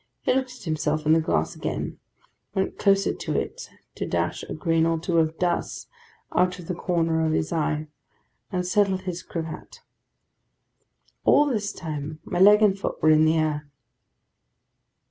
He looked at himself in the glass again; went closer to it to dash a grain or two of dust out of the corner of his eye; and settled his cravat. All this time, my leg and foot were in the air.